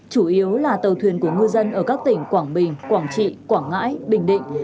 chủ yếu là tàu thuyền của ngư dân ở các tỉnh quảng bình quảng trị quảng ngãi bình định